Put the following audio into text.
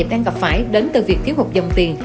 đang gặp phải đến từ việc thiếu hụt dòng tiền